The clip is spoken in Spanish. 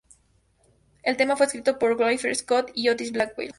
El tema fue escrito por Winfield Scott y Otis Blackwell.